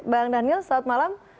mbak daniel selamat malam